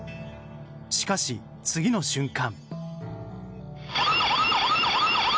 しかし次の瞬間。